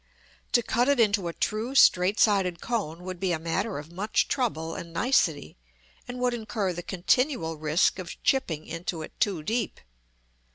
To cut it into a true straight sided cone would be a matter of much trouble and nicety, and would incur the continual risk of chipping into it too deep.